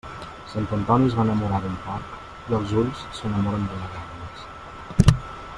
Sant Antoni es va enamorar d'un porc i els ulls s'enamoren de lleganyes.